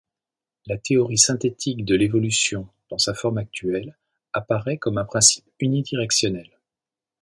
La théorie synthétique de l’évolution dans sa forme actuelle apparaît comme un principe unidirectionnel.